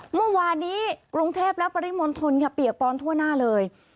เมื่อวานนี้กรุงเทพและปริมณฑลค่ะเปียกปอนทั่วหน้าเลย